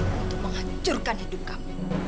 untuk menghancurkan hidup kamu